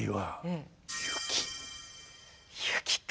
雪か。